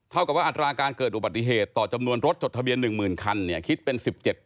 เท่ากับว่าอัตราการเกิดอุบัติเหตุต่อจำนวนรถจดทะเบียน๑๐๐๐คันคิดเป็น๑๗